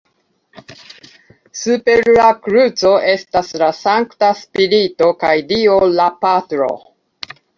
Super la kruco estas la Sankta Spirito kaj dio La Patro.